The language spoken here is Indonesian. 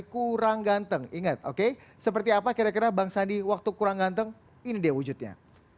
kurang ganteng ingat oke seperti apa kira kira bang sandi waktu kurang ganteng ini dia wujudnya